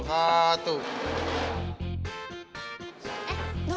eh bawa ke sini